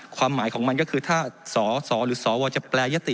ความหมายของมันก็คือถ้าสสหรือสวจะแปรยติ